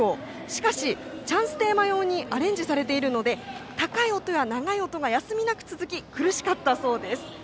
しかしチャンステーマ用にアレンジされているので高い音や長い音が休みなく続き苦しかったそうです。